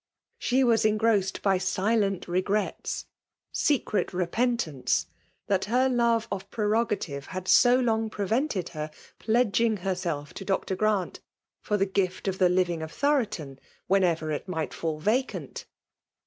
She waa esgrosaed by sUent regrets^ — secret repen^ tance, — that her lore of prerogatiTe had S9i long prevented her pledging herself to Dr. Gmnt hr the gift of the living cf Thorotont T^ienever it might fall vacant.